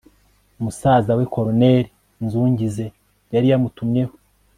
musaza we koloneli nzungize yari yamutumyeho